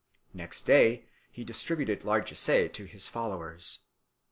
Next day he distributed largesse to his followers.